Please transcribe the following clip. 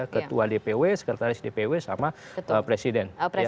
ketua dpw sekretaris dpw sama presiden